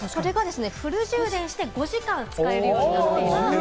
フル充電して５時間使えるようになっています。